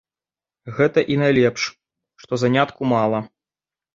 Гэта і найлепш, што занятку мала.